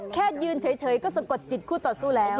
แค่ยืนเฉยก็สะกดจิตคู่ต่อสู้แล้ว